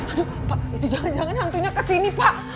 aduh pak itu jangan jangan hantunya kesini pak